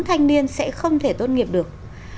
thanh niên sẽ không thể tốt nghiệp được